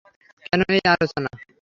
কেন এই আলোচনা?